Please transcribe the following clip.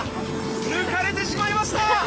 抜かれてしまいました。